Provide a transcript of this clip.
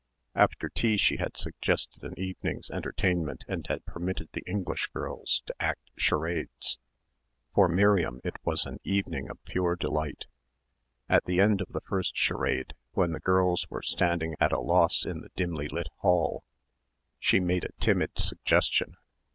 After tea she had suggested an evening's entertainment and had permitted the English girls to act charades. For Miriam it was an evening of pure delight. At the end of the first charade, when the girls were standing at a loss in the dimly lit hall, she made a timid suggestion.